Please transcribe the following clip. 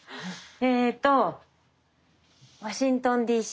えとワシントンＤ．Ｃ．。